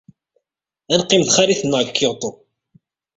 Ad neqqim ed xali-tneɣ deg Kyoto.